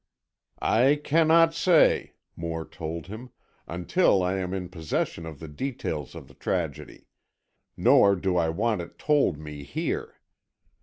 "I cannot say," Moore told him, "until I am in possession of the details of the tragedy. Nor do I want it told me here.